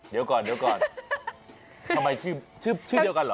เดี๋ยวก่อนทำไมชื่อเดียวกันเหรอ